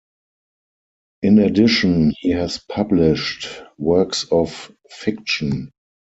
In addition, he has published works of fiction.